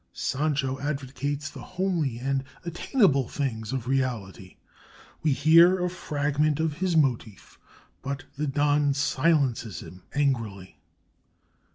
Sancho advocates the homely and attainable things of reality; we hear a fragment of his motive; but the Don silences him angrily.